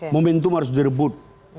momentum harus direbut